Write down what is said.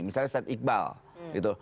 misalnya saeed iqbal gitu